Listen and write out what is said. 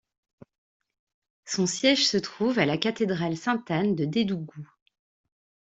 Son siège se trouve à la cathédrale Sainte-Anne de Dédougou.